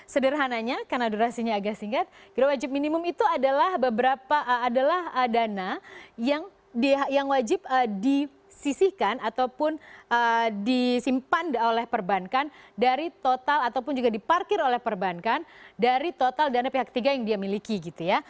sederhananya karena durasinya agak singkat gero wajib minimum itu adalah dana yang wajib disisihkan ataupun disimpan oleh perbankan dari total ataupun juga diparkir oleh perbankan dari total dana pihak ketiga yang dia miliki gitu ya